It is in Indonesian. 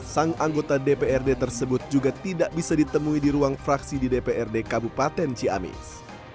sang anggota dprd tersebut juga tidak bisa ditemui di ruang fraksi di dprd kabupaten ciamis